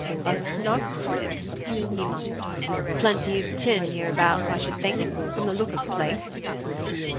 "A snug crib," he muttered; "plenty of tin hereabouts, I should think, from the look of the place."